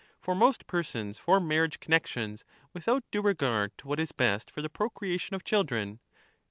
For most persons form marriage connexions without due regard to what is best for the procreation of children.